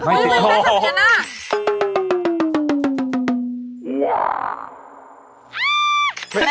แล้วทำไมแม่สัดเย็นน่ะ